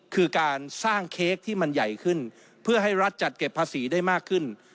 คือการสร้างเค้กที่มันใหญ่ขึ้นเพื่อให้รัฐจัดเก็บภาษีได้มากขึ้น